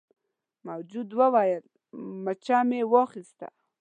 موجود وویل مچه مې واخیسته.